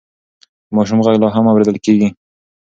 د ماشوم غږ لا هم اورېدل کېږي.